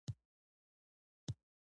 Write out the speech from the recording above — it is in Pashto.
اوبه د لوږې ضد نه دي، خو ضرورت دي